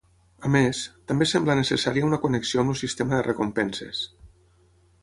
A més, també sembla necessària una connexió amb el sistema de recompenses.